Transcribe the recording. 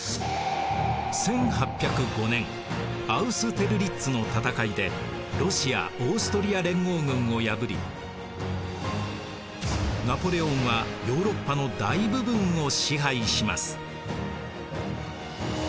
１８０５年アウステルリッツの戦いでロシア・オーストリア連合軍を破りナポレオンはヨーロッパの大部分を支配します。